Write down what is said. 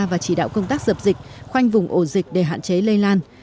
và chỉ đạo công tác dập dịch khoanh vùng ổ dịch để hạn chế lây lan